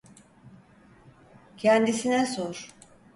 Kendisine sor.